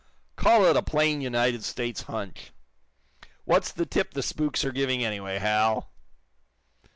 Call it a plain United States 'hunch.' What's the tip the spooks are giving anyway, Hal?"